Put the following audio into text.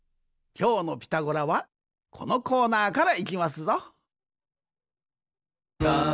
きょうの「ピタゴラ」はこのコーナーからいきますぞ！